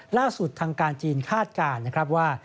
ล่าสุดทางการจีนคาดการณ์นะครับว่า